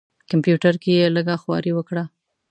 کمپیوټر کې یې لږه خواري وکړه.